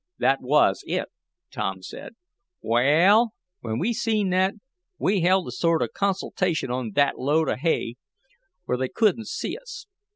"That was it," Tom said. "Wa'al, when we seen that, we held a sort of consultation on thet load of hay, where they couldn't see us.